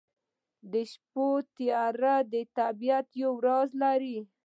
د شپې تیاره د طبیعت یو راز لري.